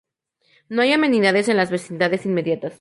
No hay amenidades en las vecindades inmediatas.